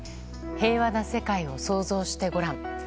「平和な世界を想像してごらん」。